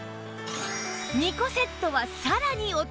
２個セットはさらにお得